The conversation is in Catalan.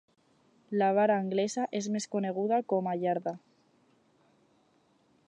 La vara anglesa és més coneguda com a iarda.